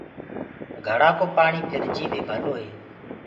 گھڙآ ڪو پآڻي ڦِرجي دي ڀلو هي۔